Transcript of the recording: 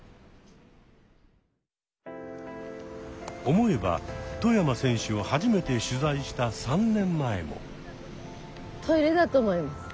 思えば外山選手を初めて取材した３年前も。